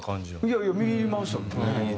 いやいや見入りましたもんね。